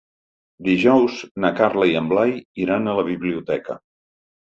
Dijous na Carla i en Blai iran a la biblioteca.